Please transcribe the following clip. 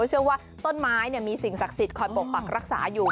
เชื่อว่าต้นไม้มีสิ่งศักดิ์สิทธิ์คอยปกปักรักษาอยู่